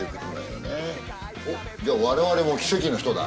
おっじゃあ我々も奇跡の人だ。